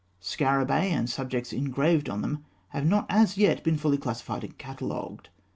Scarabaei and the subjects engraved on them have not as yet been fully classified and catalogued.